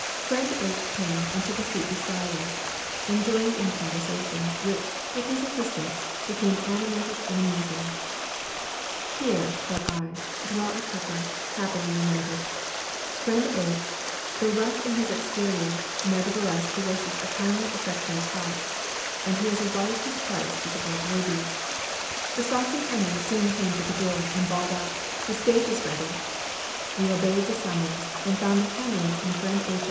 Friend H. came and took a seat beside us, and joined in the conversation, which, with his assistance, became animated and amusing. Here, thought I, dwell a couple, happily united. Friend H., though rough in his exterior, nevertheless possesses a kindly affectionate heart; and he has a wife whose price is above rubies. The saucy Henry soon came to the door, and bawled out, "The stage is ready." We obeyed the summons, and found that Henry and friend H.'